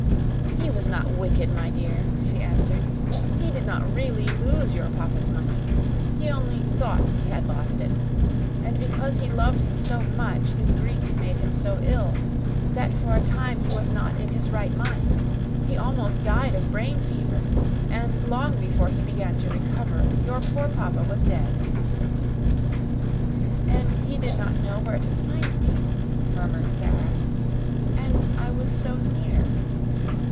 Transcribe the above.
"He was not wicked, my dear," she answered. "He did not really lose your papa's money. He only thought he had lost it; and because he loved him so much his grief made him so ill that for a time he was not in his right mind. He almost died of brain fever, and long before he began to recover your poor papa was dead." "And he did not know where to find me," murmured Sara. "And I was so near."